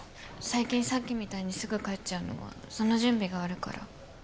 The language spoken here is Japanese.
最近さっきみたいにすぐ帰っちゃうのはその準備があるから？